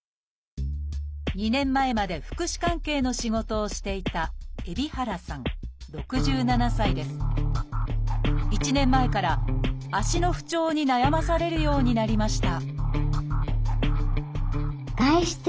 ２年前まで福祉関係の仕事をしていた１年前から足の不調に悩まされるようになりました